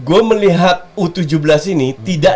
gue melihat u tujuh belas ini tidak